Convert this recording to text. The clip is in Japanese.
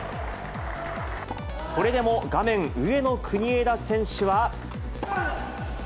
それでも画面上の国枝選手は。